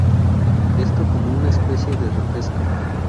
Esto como una especie de repesca.